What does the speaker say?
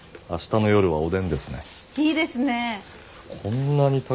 明日の夜はおでんですね。